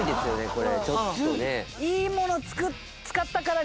これちょっとね。